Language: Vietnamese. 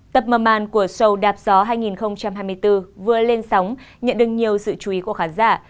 tập mầm màn của show đạp gió hai nghìn hai mươi bốn vừa lên sóng nhận được nhiều sự chú ý của khán giả